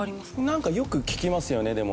なんかよく聞きますよねでも。